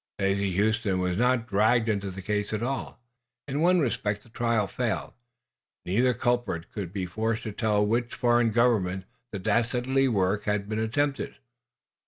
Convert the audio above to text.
Daisy Huston was not dragged into the case at all. In one respect the trial failed. Neither culprit could be forced to tell for which foreign government the dastardly work had been attempted.